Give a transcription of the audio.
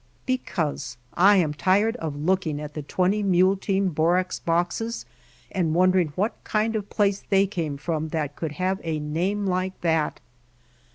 "Because I am tired of looking at the Twenty Mule Team Borax boxes and wondering what kind of place they came from that could have a name like that."